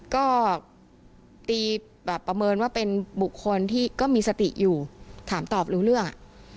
ก็ตีแบบประเมินว่าเป็นบุคคลที่ก็มีสติอยู่ถามตอบรู้เรื่องอ่ะ